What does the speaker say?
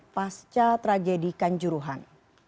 pasca tragedi kanjuruhan